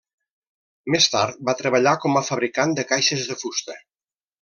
Més tard va treballar com a fabricant de caixes de fusta.